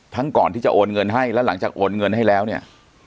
ก่อนที่จะโอนเงินให้แล้วหลังจากโอนเงินให้แล้วเนี่ย